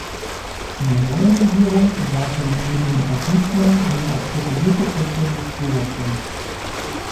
In der neuen Regierung sassen neben den Patriziern nun auch profilierte Köpfe des Bürgertums.